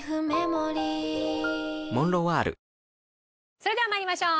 それでは参りましょう。